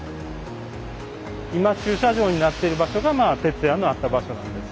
今駐車場になってる場所が「てつや」のあった場所なんです。